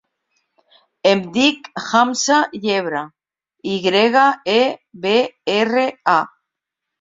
Em dic Hamza Yebra: i grega, e, be, erra, a.